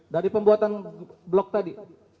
dari pembuatan blok tadi